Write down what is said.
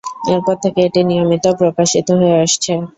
এরপর থেকে এটি নিয়মিত প্রকাশিত হয়ে আসছে।